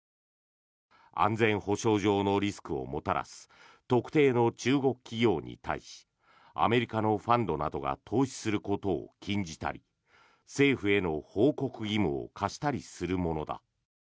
安全保障上のリスクをもたらす特定の中国企業に対しアメリカのファンドなどが投資することを禁じたり政府への報告義務を課したりするものだ。